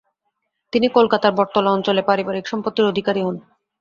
তিনি কলকাতার বটতলা অঞ্চলে পারিবারিক সম্পত্তির অধিকারী হন।